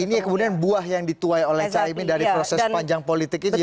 ini kemudian buah yang dituai oleh caimin dari proses panjang politik ini